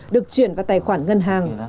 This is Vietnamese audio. được chuyển vào tài khoản ngân hàng